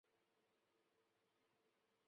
小蛇根草